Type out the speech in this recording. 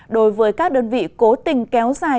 đối với các đơn vị cố tình kéo dài